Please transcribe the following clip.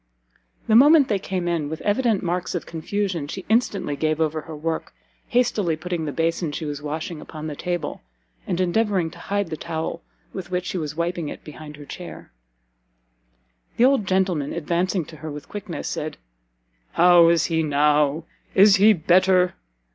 The moment they came in, with evident marks of confusion, she instantly gave over her work, hastily putting the basin she was washing upon the table, and endeavouring to hide the towel with which she was wiping it behind her chair. The old gentleman, advancing to her with quickness, said, "How is he now? Is he better?